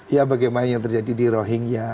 ya bagaimana yang terjadi di rohingya